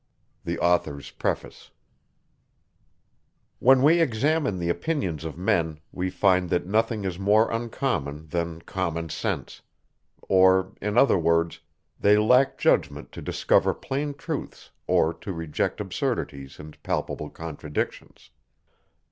THE AUTHOR'S PREFACE When we examine the opinions of men, we find that nothing is more uncommon, than common sense; or, in other words, they lack judgment to discover plain truths, or to reject absurdities, and palpable contradictions.